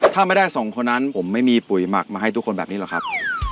ถ้าไม่ได้สองคนนั้นผมไม่มีปุ๋ยหมักมาให้ทุกคนแบบนี้หรอกครับ